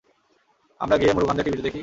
আমরা গিয়ে মুরুগানদের টিভিতে দেখি?